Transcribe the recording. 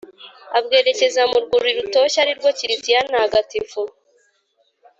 abwerekeza mu rwuri rutoshye arirwo kiliziya ntagatifu.